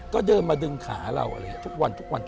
ก็เดินมาดึงขาเราทุกวัน